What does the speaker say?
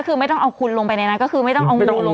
ก็คือไม่ต้องเอาคุณลงไปในน้ำก็คือไม่ต้องเอางูลงไปด้วย